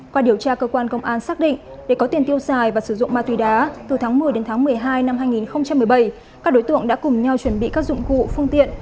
qua điều tra cơ quan công an xác định để có tiền tiêu xài và sử dụng ma túy đá từ tháng một mươi đến tháng một mươi hai năm hai nghìn một mươi bảy các đối tượng đã cùng nhau chuẩn bị các dụng cụ phương tiện